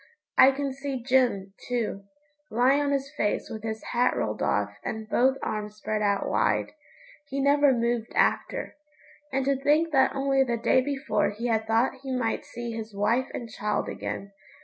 I can see Jim, too lying on his face with his hat rolled off and both arms spread out wide. He never moved after. And to think that only the day before he had thought he might see his wife and child again!